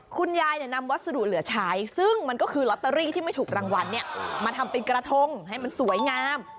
คุณยายนำวัสดุเหลือใช้ซึ่งมันก็คือลอตเตอรี่ที่ไม่ถูกรางวัลเนี่ยมาทำเป็นกระทงให้มันสวยงาม